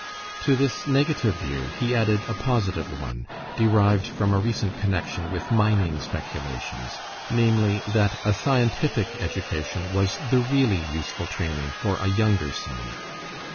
To this negative view he added a positive one, derived from a recent connexion with mining speculations; namely, that a scientific education was the really useful training for a younger son.